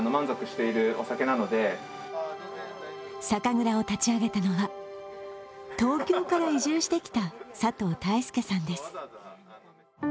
酒蔵を立ち上げたのは、東京から移住してきた、佐藤太亮さんです。